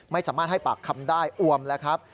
ไม่สามารถให้ปากคำได้อวมแล้วครับ